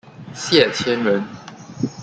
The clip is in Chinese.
谢迁人。